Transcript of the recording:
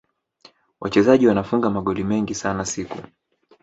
wachezaji wanafunga magoli mengi sana siku